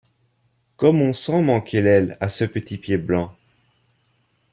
Comme on sent manquer l’aile à ce petit pied blanc !